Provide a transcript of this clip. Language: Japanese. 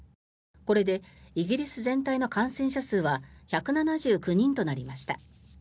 これでイギリス全体の感染者数は１７９人となりました。